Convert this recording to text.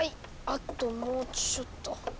あともうちょっと。